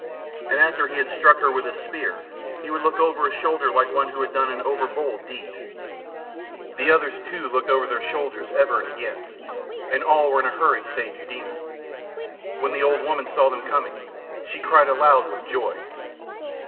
And after he had struck her with his spear, he would look over his shoulder like one who had done an over bold deed. The others, too, looked over their shoulders ever and again, and all were in a hurry save Eudena. When the old woman saw them coming, she cried aloud with joy.